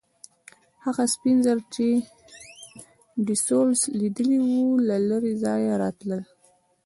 هغه سپین زر چې ډي سولس لیدلي وو له لرې ځایه راتلل.